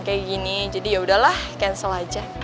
kayak gini jadi yaudahlah cancel aja